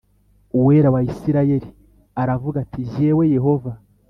Uwera wa Isirayeli aravuga ati jyewe Yehova